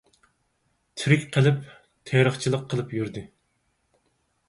تىرىك قېلىپ، تېرىقچىلىق قىلىپ يۈردى.